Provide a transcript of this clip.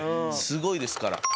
すごいですから。